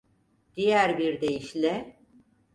Diğer bir deyişle…